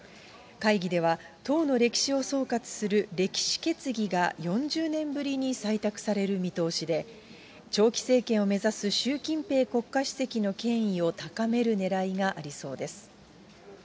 会議では、党の歴史を総括する歴史決議が４０年ぶりに採択される見通しで、長期政権を目指す習近平国家主席の権威を高めるねらいがありそうです。